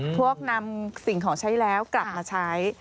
พวกนำสิ่งของใช้แล้วกลับมาใช้